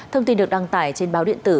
thông tin được đăng tải trên báo điện tử